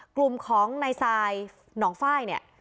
กลุ่มของในทรายน้องฝ้าย